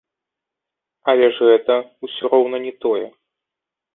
Але ж гэта ўсё роўна не тое.